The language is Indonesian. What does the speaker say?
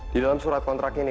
di dalam surat kontrak ini